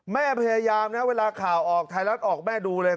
แม่พยายามนะเวลาข่าวออกไทยรัฐออกแม่ดูเลย